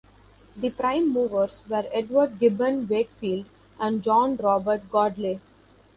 The prime movers were Edward Gibbon Wakefield and John Robert Godley.